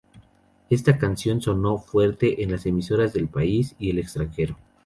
Esta canción sonó fuerte en las emisoras del país y el extranjero.